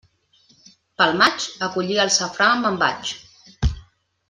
Pel maig, a collir el safrà me'n vaig.